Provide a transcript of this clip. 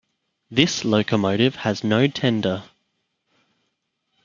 This locomotive has no tender.